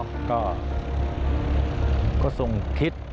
แล้วก็ทรงคิด